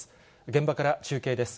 現場から中継です。